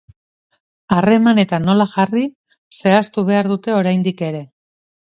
Harremanetan nola jarri zehaztu behar dute oraindik ere.